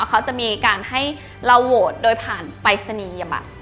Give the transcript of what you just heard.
เขาจะมีการให้เราโหวตโดยผ่านไปรษณีย์อย่างแบบ